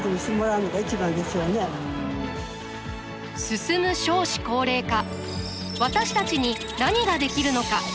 進む少子高齢化私たちに何ができるのか。